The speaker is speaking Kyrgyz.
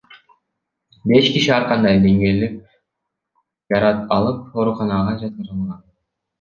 Беш киши ар кандай деңгээлдеги жараат алып, ооруканага жаткырылган.